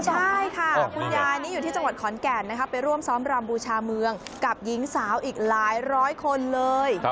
ใช่ค่ะคุณยายนี่อยู่ที่จังหวัดขอนแก่นนะคะไปร่วมซ้อมรำบูชาเมืองกับหญิงสาวอีกหลายร้อยคนเลย